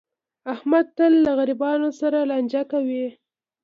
احمد تل له غریبانو سره لانجه کوي.